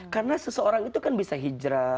karena seseorang itu kan bisa hijrah